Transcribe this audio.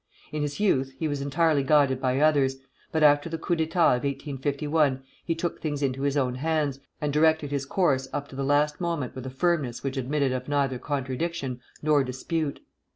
In his youth he was entirely guided by others, but after the coup d'état of 1851 he took things into his own hands, and directed his course up to the last moment with a firmness which admitted of neither contradiction nor dispute.